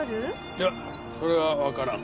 いやそれはわからん。